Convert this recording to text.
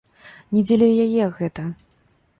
Не дзеля яе гэта.